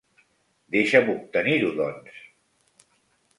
Deixa'm obtenir-ho, doncs!